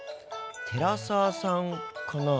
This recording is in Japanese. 寺澤さんかな？